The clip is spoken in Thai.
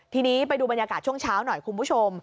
ทีนี้ไปดูบรรยากาศช่วงเช้าหน่อยคุณผู้ชม